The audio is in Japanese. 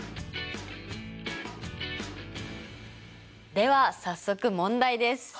では早速問題です。